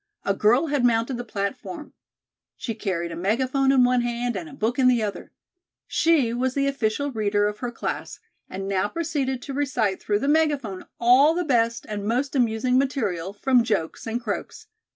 A girl had mounted the platform. She carried a megaphone in one hand and a book in the other. She was the official reader of her class, and now proceeded to recite through the megaphone all the best and most amusing material from "Jokes & Croaks."